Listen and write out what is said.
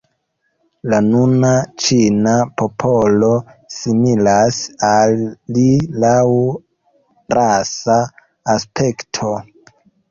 La nuna ĉina popolo similas al li laŭ rasa aspekto.